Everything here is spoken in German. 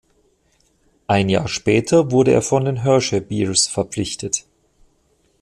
Ein Jahr später wurde er von den Hershey Bears verpflichtet.